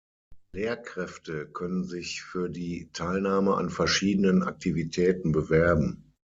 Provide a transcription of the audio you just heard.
Lehrkräfte können sich für die Teilnahme an verschiedenen Aktivitäten bewerben.